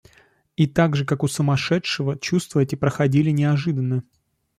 И, так же как у сумасшедшего, чувства эти проходили неожиданно.